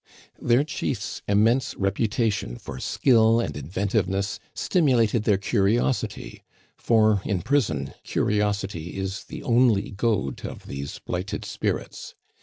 Their chief's immense reputation for skill and inventiveness stimulated their curiosity; for, in prison, curiosity is the only goad of these blighted spirits.